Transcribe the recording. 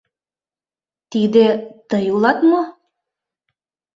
— Тиде тый улат мо?